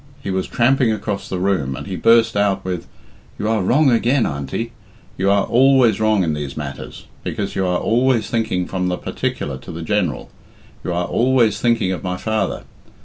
He was tramping across the room, and he burst out with, "You are wrong again, Auntie. You are always wrong in these matters, because you are always thinking from the particular to the general you are always thinking of my father.